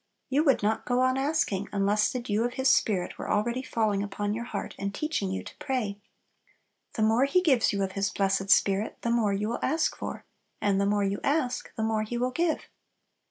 You would not go on asking unless the dew of His Spirit were already falling upon your heart, and teaching you to pray. The more He gives you of His blessed Spirit, the more you will ask for; and the more you ask, the more He will give.